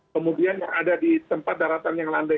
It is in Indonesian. kemudian yang ada di tempat daratan yang landai